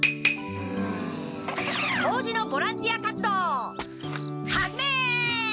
そうじのボランティア活動始め！